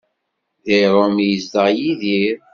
Deg Rome i yezdeɣ Yidir.